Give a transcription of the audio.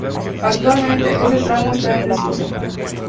Actualmente, este tramo está en desuso.